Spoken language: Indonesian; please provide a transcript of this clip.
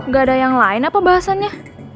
gak ada yang lain apa bahasanya